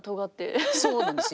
そうなんです